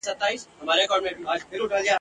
بیا په خپل مدارکي نه سي ګرځېدلای ..